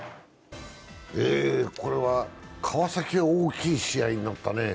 これは川崎は大きい試合になったね。